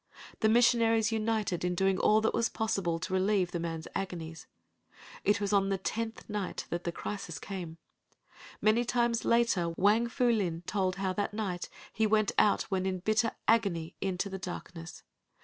The missionaries united in doing all that was possible to relieve the man's agonies. It was on the tenth night the crisis came. Many times later Wang Pu Lin told how that night he went out when in bitter agony into the darkness.